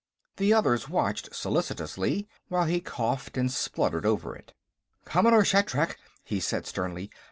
The others watched solicitously while he coughed and spluttered over it. "Commodore Shatrak," he said sternly.